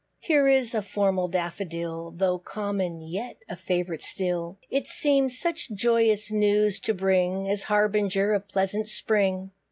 Here is a formal Daffodil, Though common, yet a favourite still; It seems such joyous news to bring, As harbinger of pleasant Spring.